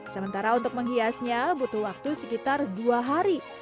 sementara untuk menghiasnya butuh waktu sekitar dua hari